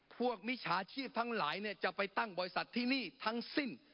มิจฉาชีพทั้งหลายจะไปตั้งบริษัทที่นี่ทั้งสิ้น